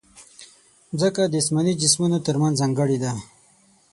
مځکه د اسماني جسمونو ترمنځ ځانګړې ده.